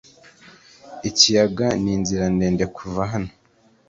ikiyaga ni inzira ndende kuva hano